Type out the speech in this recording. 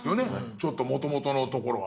ちょっともともとのところは。